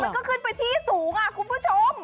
มันก็ขึ้นไปที่สูงคุณผู้ชม